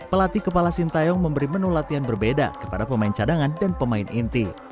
pelatih kepala sintayong memberi menu latihan berbeda kepada pemain cadangan dan pemain inti